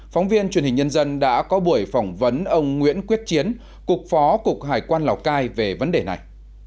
phóng viên truyền hình nhân dân đã có buổi phỏng vấn ông nguyễn quyết chiến cục phó cục hải quan lào cai về vấn đề này